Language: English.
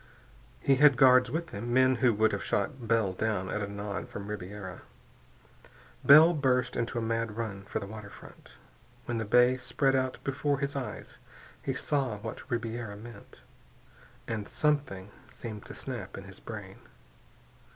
He had guards with him, men who would have shot Bell down at a nod from Ribiera. Bell burst into a mad run for the waterfront. When the bay spread out before his eyes he saw what Ribiera meant, and something seemed to snap in his brain.